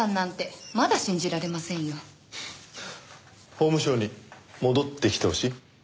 法務省に戻ってきてほしい？